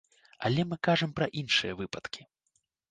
Але мы кажам пра іншыя выпадкі.